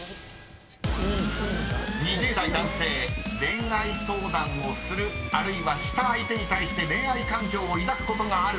［２０代男性恋愛相談をするあるいはした相手に対して恋愛感情を抱くことがある。